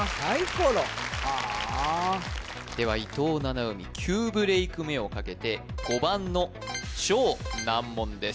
ころはでは伊藤七海９ブレイク目をかけて５番の超難問です